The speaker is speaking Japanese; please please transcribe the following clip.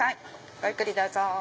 ごゆっくりどうぞ。